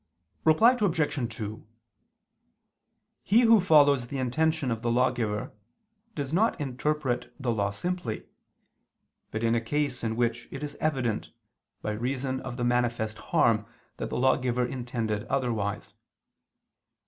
Reply Obj. 2: He who follows the intention of the lawgiver, does not interpret the law simply; but in a case in which it is evident, by reason of the manifest harm, that the lawgiver intended otherwise.